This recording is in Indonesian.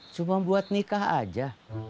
cuma buat nikah aja